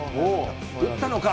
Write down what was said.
打ったのか？